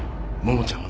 桃ちゃん？